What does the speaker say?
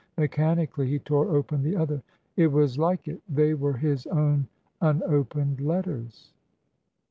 Mechanically, he tore open the other. It was like it. They were his own unopened letters!